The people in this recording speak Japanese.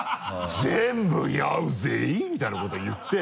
「全部に合うぜぇ」みたいなこと言って。